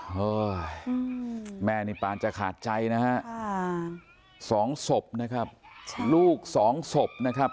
เออแม่นี่ปานจะขาดใจนะฮะสองศพนะครับลูกสองศพนะครับ